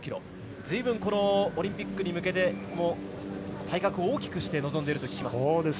ずいぶん、オリンピックに向けて体格を大きくして臨んでいると聞きます。